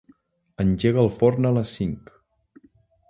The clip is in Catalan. Engega el forn a les cinc.